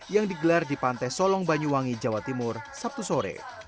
yang digelar di pantai solong banyuwangi jawa timur sabtu sore